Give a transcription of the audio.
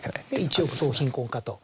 「一億総貧困化」と。